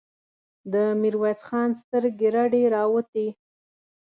د ميرويس خان سترګې رډې راوختې!